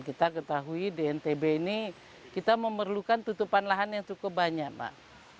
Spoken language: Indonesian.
kita ketahui di ntb ini kita memerlukan tutupan lahan yang cukup banyak pak